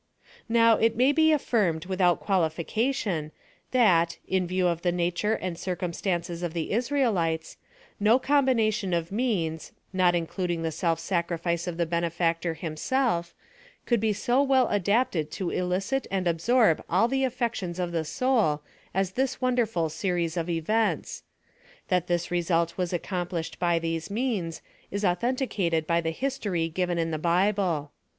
Now, it may be affirmed without qualification, that, in view of the nature and circumstances of the Israelites, no combination of means, not including the self sacrifice of the benefactor himself, could be so well adapted to elicit and absorb all the affections of the soul, as this wonderful series of events. That this result was accomplished by these means, is au thenticated by the history given in the Bible.